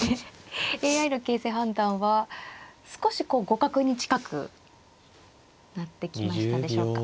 ＡＩの形勢判断は少しこう互角に近くなってきましたでしょうか。